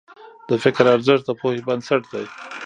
د فکر ارزښت د پوهې بنسټ دی.